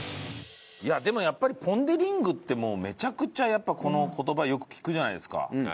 いやでもやっぱりポン・デ・リングってめちゃくちゃやっぱこの言葉よく聞くじゃないですか。